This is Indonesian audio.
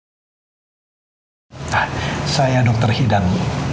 nah saya dokter hildan